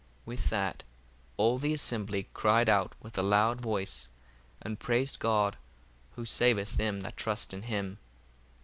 1:60 With that all the assembly cried out with a loud voice, and praised God, who saveth them that trust in him.